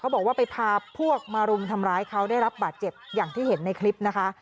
บอกว่าไปพาพวกมารุมทำร้ายเขาได้รับบาดเจ็บอย่างที่เห็นในคลิปนะคะ